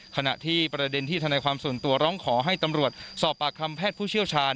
ขณะที่ประเด็นที่ธนายความส่วนตัวร้องขอให้ตำรวจสอบปากคำแพทย์ผู้เชี่ยวชาญ